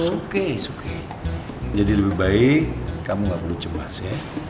suke suke jadi lebih baik kamu gak perlu cemas ya